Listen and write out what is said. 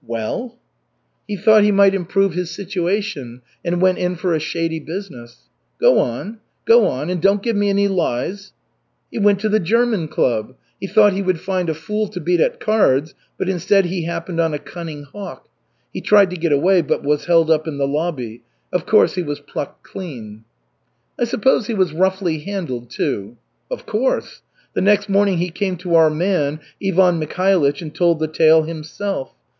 "Well?" "He thought he might improve his situation and went in for a shady business." "Go on, go on, and don't give me any lies." "He went to the German Club. He thought he would find a fool to beat at cards, but instead he happened on a cunning hawk. He tried to get away, but was held up in the lobby. Of course, he was plucked clean." "I suppose he was roughly handled, too." "Of course. The next morning he came to our man, Ivan Mikhailych, and told the tale himself.